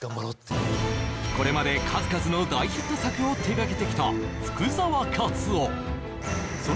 これまで数々の大ヒット作を手がけてきた福澤克雄